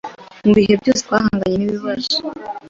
mu bihe byose twahanganye n’ibibazo